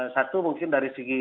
satu mungkin dari segi